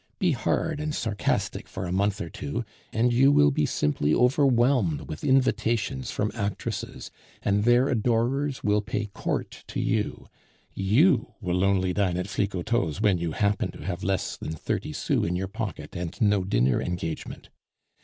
Be hard and sarcastic for a month or two, and you will be simply overwhelmed with invitations from actresses, and their adorers will pay court to you; you will only dine at Flicoteaux's when you happen to have less than thirty sous in your pocket and no dinner engagement.